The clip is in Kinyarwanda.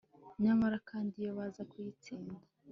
nyamara kandi iyo baza kuyitsinda